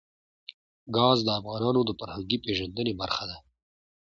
ګاز د افغانانو د فرهنګي پیژندنې برخه ده.